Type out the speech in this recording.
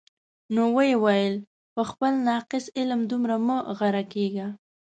نو ویې ویل: په خپل ناقص علم دومره مه غره کېږه.